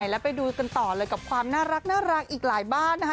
แล้วไปดูกันต่อเลยกับความน่ารักอีกหลายบ้านนะคะ